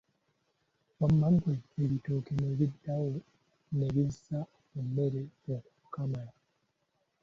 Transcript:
Wamma ggwe, ebitooke n'ebiddawo ne bissa emmere okukamala.